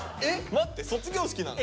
待って卒業式なのに？